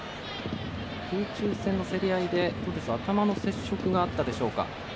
空中戦の競り合いで頭の接触があったでしょうか。